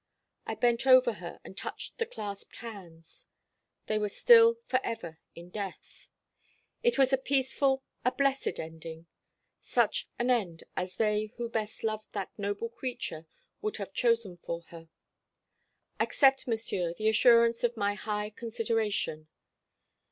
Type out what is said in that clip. "I bent over her and touched the clasped hands. They were still for ever in death. It was a peaceful, a blessed ending: such an end as they who best loved that noble creature would have chosen for her. "Accept, Monsieur, the assurance of my high consideration.